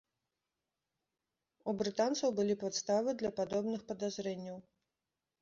У брытанцаў былі падставы для падобных падазрэнняў.